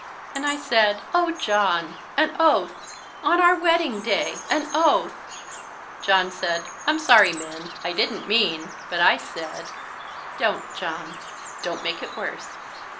And I said, "Oh, John, an oath! on our wedding day, an oath!" John said, "I'm sorry, Minn, I didn't mean " but I said, "Don't, John, don't make it worse.